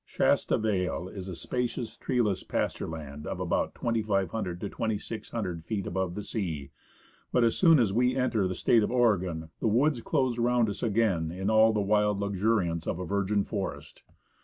Shasta Vale is a spacious, treeless pasture land at about 2,500 to 2,600 feet above the sea; but as soon as we enter the State of Oregon the woods close round us again in all the wild luxuriance of a virgin forest.